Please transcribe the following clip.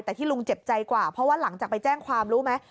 แต่ที่ลุงเจ็บใจกว่าเพราะว่าหลังจากไปแจ้งความรู้ไหม